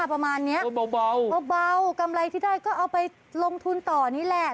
ประมาณเนี้ยเบากำไรที่ได้ก็เอาไปลงทุนต่อนี่แหละ